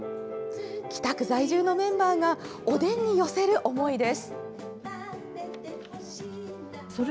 北区在住のメンバーが、おでんに寄せる思いです。